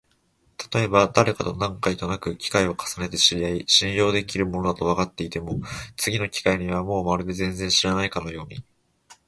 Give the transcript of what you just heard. たとえばだれかと何回となく機会を重ねて知り合い、信用のできる者だとわかっても、次の機会にはもうまるで全然知らないかのように、